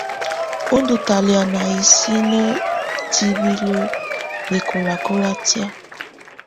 U ndù talɛ̀á na hisinǝ hitibilǝ bɛkɔlakɔla tɛ̀á.